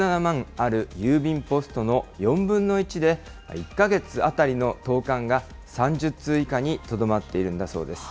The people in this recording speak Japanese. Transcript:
ある郵便ポストの４分の１で、１か月当たりの投かんが３０通以下にとどまっているんだそうです。